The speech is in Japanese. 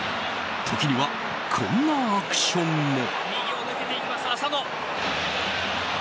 時には、こんなアクションも。